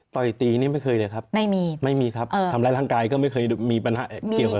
ต่อยตีนี่ไม่เคยเลยครับไม่มีไม่มีครับทำร้ายร่างกายก็ไม่เคยมีปัญหาเกี่ยวกับ